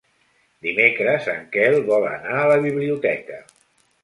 Dimecres en Quel vol anar a la biblioteca.